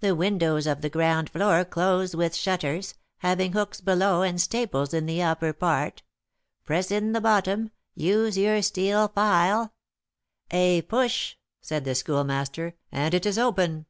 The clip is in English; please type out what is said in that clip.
The windows of the ground floor close with shutters, having hooks below and staples in the upper part: press in the bottom, use your steel file " "A push," said the Schoolmaster, "and it is open."